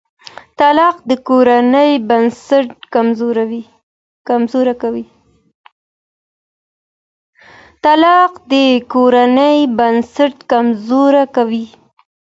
طلاق د کورنۍ بنسټ کمزوری کوي.